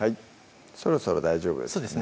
そろそろ大丈夫ですね